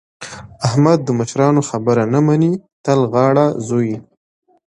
احمد د مشرانو خبره نه مني؛ تل غاړه ځوي.